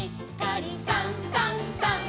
「さんさんさん」